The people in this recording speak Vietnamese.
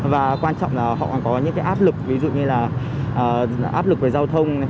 và quan trọng là họ còn có những áp lực ví dụ như là áp lực về giao thông